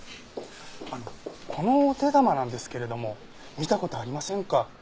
あのこのお手玉なんですけれども見た事ありませんか？